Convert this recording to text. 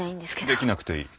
できなくていい。